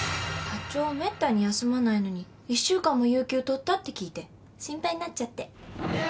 課長、めったに休まないのに１週間も有給取ったって聞いて心配になっちゃって。